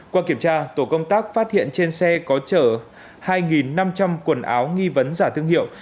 qua kiểm tra tổ công tác phát hiện trên xe có chở hai năm trăm linh quần áo nghi vấn giả thương hiệu